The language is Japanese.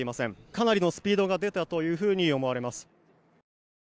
かなりのスピードが出たと思われます。